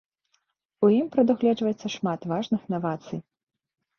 У ім прадугледжваецца шмат важных навацый.